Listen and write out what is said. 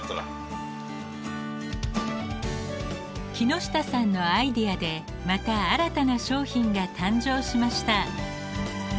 木下さんのアイデアでまた新たな商品が誕生しました。